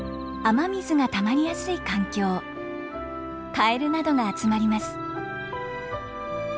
カエルなどが集まります。